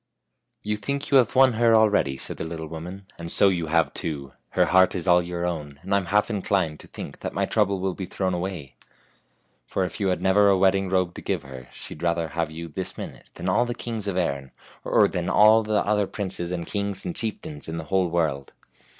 " You think you have won her alread}Y' sa id the little woman. "And so you have, too; her heart is all your own, and I'm half inclined to think that my trouble will be thrown away, for 98 FAIRY TALES if you had never a wedding robe to give her, she'd rather have you this minute than all the kings of Erin, or than all the other princes and kings and chieftains in the whole world.